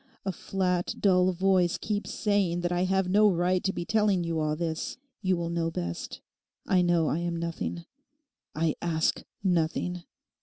A flat, dull voice keeps saying that I have no right to be telling you all this. You will know best. I know I am nothing. I ask nothing.